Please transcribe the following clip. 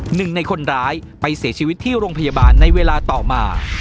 หนึ่งในคนร้ายไปเสียชีวิตที่โรงพยาบาลในเวลาต่อมา